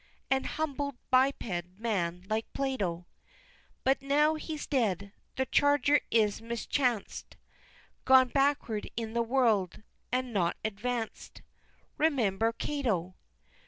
and humbled biped man like Plato! But now he's dead, the charger is mischanc'd Gone backward in the world and not advanc'd, Remember Cato!